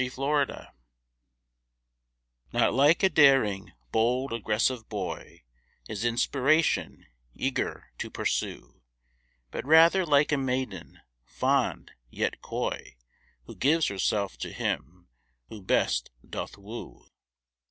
=Inspiration= Not like a daring, bold, aggressive boy, Is inspiration, eager to pursue, But rather like a maiden, fond, yet coy, Who gives herself to him who best doth woo.